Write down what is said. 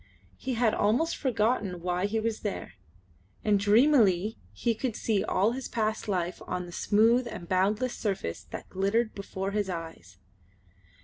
He had almost forgotten why he was there, and dreamily he could see all his past life on the smooth and boundless surface that glittered before his eyes.